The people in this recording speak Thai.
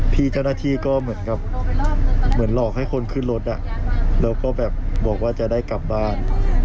พี่เจ้าหน้าที่ก็เหมือนกับเหมือนหลอกให้คนขึ้นรถแล้วก็แบบบอกว่าจะได้กลับบ้าน